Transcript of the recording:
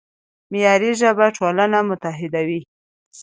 معیاري ژبه ټولنه متحدوي.